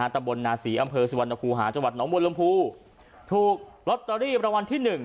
ตะบนนาศรีอำเภอสิวัณคูหาจังหวัดหนอมวลลมพูถูกล็อตเตอรี่ประวันที่หนึ่ง